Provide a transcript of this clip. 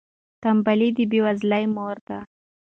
تنبلي د بې وزلۍ مور ده.